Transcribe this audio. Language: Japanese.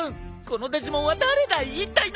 このデジモンは誰だい！？